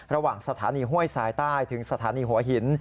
ระหว่างสถานีห้วยสายใต้ถึงสถานีหัวหิน